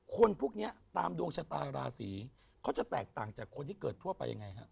คนพวกนี้ตามดวงชะตาราศีเขาจะแตกต่างจากคนที่เกิดทั่วไปยังไงฮะ